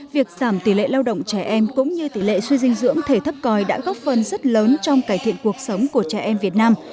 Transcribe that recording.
việc giảm tỷ lệ lao động trẻ em cũng như tỷ lệ suy dinh dưỡng thể thấp còi đã góp phần rất lớn trong cải thiện cuộc sống của trẻ em việt nam